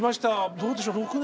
どうでしょう６年。